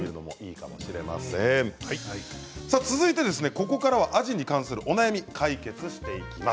ここからはアジに関するお悩みの解決です。